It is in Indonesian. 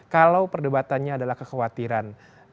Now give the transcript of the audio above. kalau perdebatannya adalah kekhawatiran